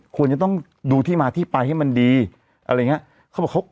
ควรจะต้องดูที่มาที่ไปให้มันดีอะไรอย่างนี้